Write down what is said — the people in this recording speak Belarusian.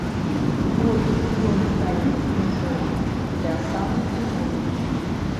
От ён стаіць ужо ля самай трыбуны.